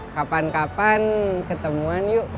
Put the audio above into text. kapan kapan ketemuan yuk